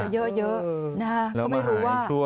เยอะนะฮะก็ไม่รู้ว่า